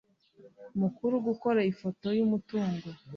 Mukuru gukora ifoto y umutungo